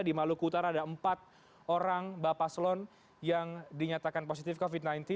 di maluku utara ada empat orang bapak selon yang dinyatakan positif covid sembilan belas